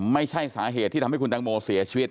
ไม่ใช่สาเหตุที่ทำให้คุณตังโมเสียชีวิต